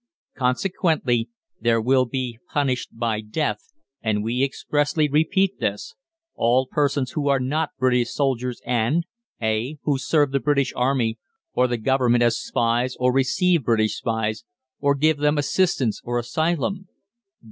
Consequently, there will be PUNISHED BY DEATH, and we expressly repeat this, all persons who are not British soldiers and (a) Who serve the British Army or the Government as spies, or receive British spies, or give them assistance or asylum.